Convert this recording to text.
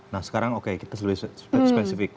nah sekarang oke kita sudah spesifik